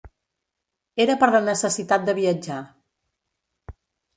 Era per la necessitat de viatjar.